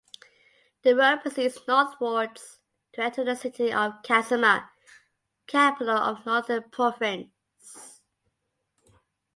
The road proceeds northwards to enter the city of Kasama (Capital of Northern Province).